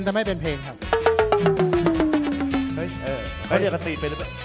เค้าลองน่าจะตีเป็น